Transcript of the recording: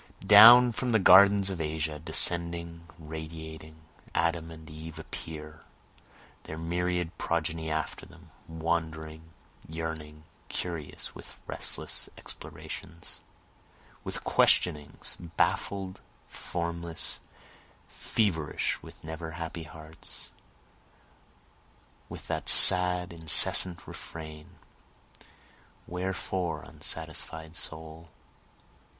Down from the gardens of Asia descending radiating, Adam and Eve appear, then their myriad progeny after them, Wandering, yearning, curious, with restless explorations, With questionings, baffled, formless, feverish, with never happy hearts, With that sad incessant refrain, Wherefore unsatisfied soul?